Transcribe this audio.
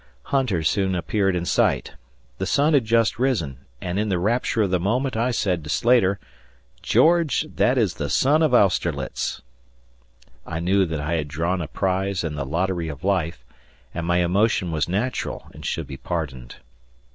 Hunter soon appeared in sight. The sun had just risen, and in the rapture of the moment I said to Slater, "George, that is the sun of Austerlitz!" I knew that I had drawn a prize in the lottery of life, and my emotion was natural and should be pardoned.